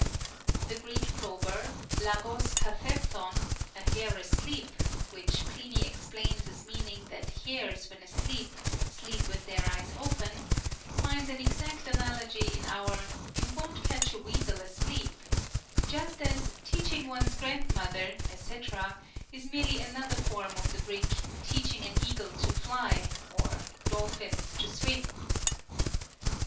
The Greek proverb Xayw? Ka&evZwv (" A hare asleep "), which Pliny explains as meaning that hares when asleep sleep with their eyes open, finds an exact analogy in our " You won't catch a weasel asleep," just as " Teaching one's grand mother," &c., is merely another form of the Greek " Teaching an eagle to fly " or " dolphins to swim."